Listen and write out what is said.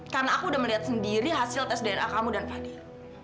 karena aku udah melihat sendiri hasil tes dna kamu dan fadil